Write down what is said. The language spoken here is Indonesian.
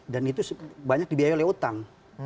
dan itu banyak dibiayai oleh utang